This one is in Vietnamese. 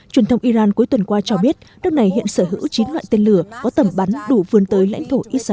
truyền thông iran cuối tuần qua cho biết nước này hiện sở hữu chín loại tên lửa có tầm bắn đủ vươn tới lãnh thổ israel